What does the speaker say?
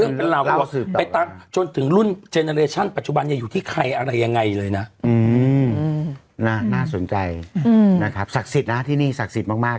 อืมน่ะน่าสนใจอืมนะครับศักดิ์ศิษย์นะที่นี่ศักดิ์ศิษย์มากมาก